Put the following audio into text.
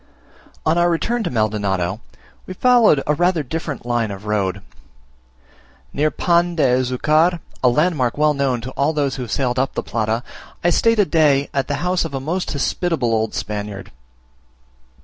On our return to Maldonado, we followed rather a different line of road. Near Pan de Azucar, a landmark well known to all those who have sailed up the Plata, I stayed a day at the house of a most hospitable old Spaniard.